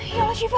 ya allah siva